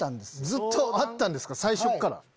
ずっとあったんですか最初から。